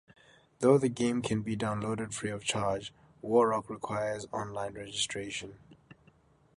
Though the game can be downloaded free of charge, War Rock requires online registration.